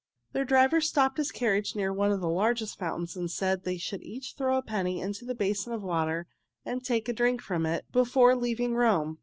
Their driver stopped his carriage near one of the largest of the fountains and said they should each throw a penny into the basin of water and take a drink from it before leaving Rome.